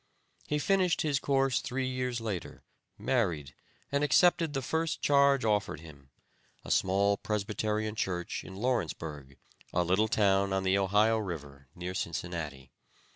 He finished his course three years later, married, and accepted the first charge offered him; a small Presbyterian Church in Lawrenceburg, a little town on the Ohio river, near Cincinnati.